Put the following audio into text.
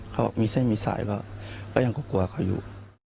เขาบอกมีเส้นมีสายก็ยังก็กลัวเขาอยู่